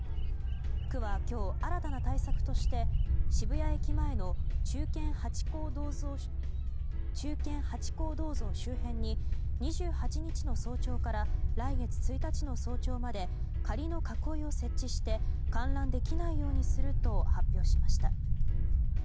区は今日新たな対策として渋谷駅前の忠犬ハチ公銅像周辺に２８日の早朝から来月１日の早朝まで仮の囲いを設置して観覧できないようにすると発表しました。